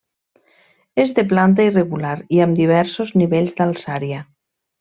És de planta irregular i amb diversos nivells d'alçària.